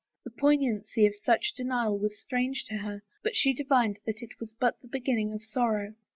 The poignancy of such denial was strange to her, but she divined that it was but the beginning of sorrow.